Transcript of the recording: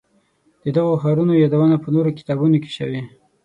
د دغو ښارونو یادونه په نورو کتابونو کې شوې.